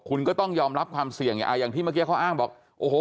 คุณก็ต้องยอมรับความเสี่ยงอย่างอย่างที่เมื่อกี้เขาอ้างบอกโอ้โห